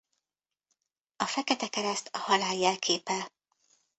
A fekete kereszt a halál jelképe.